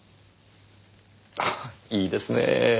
ああいいですねえ。